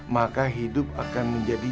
maka hidup akan menjadi